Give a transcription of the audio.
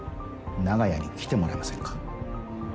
長屋に来てもらえませんか？